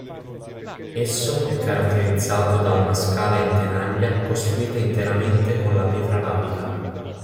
Esso è caratterizzato da una scala in tenaglia costruita interamente con la pietra lavica.